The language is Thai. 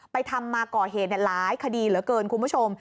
ทำมาก่อเหตุหลายคดีเหลือเกินคุณผู้ชม